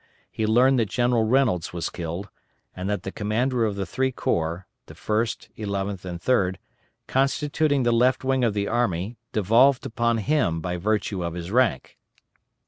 he learned that General Reynolds was killed, and that the command of the three corps (the First, Eleventh, and Third) constituting the Left Wing of the army devolved upon him by virtue of his rank.